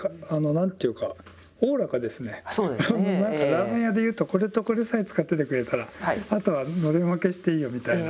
ラーメン屋で言うとこれとこれさえ使っててくれたらあとはのれん分けしていいよみたいな。